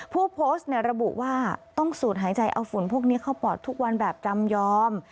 ผู้โพสต์ระบุว่าต้องสูดหายใจเอาฝุ่นพวกนี้เข้าปอดทุกวันแบบจำยอม